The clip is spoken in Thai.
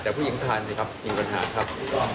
แต่ผู้หญิงทานสิครับมีปัญหาครับ